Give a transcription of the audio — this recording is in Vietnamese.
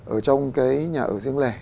ở trong cái nhà ở riêng lẻ